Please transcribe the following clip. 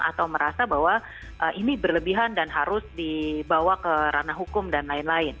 atau merasa bahwa ini berlebihan dan harus dibawa ke ranah hukum dan lain lain